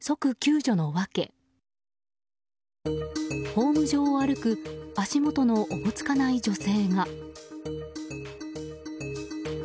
ホーム上を歩く足元のおぼつかない女性が。